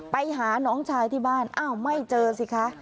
ไปหาน้องชายที่บ้านอ้าวไม่เจอสิคะ